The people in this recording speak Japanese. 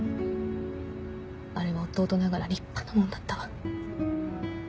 あれは弟ながら立派なもんだったわ。